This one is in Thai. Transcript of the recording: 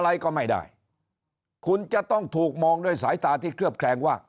อะไรก็ไม่ได้คุณจะต้องถูกมองด้วยสายตาที่เคลือบแคลงว่า